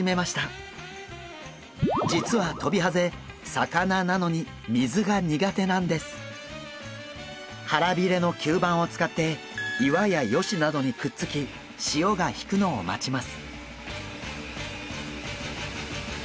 実はトビハゼ腹びれの吸盤を使って岩や葦などにくっつき潮が引くのを待ちます。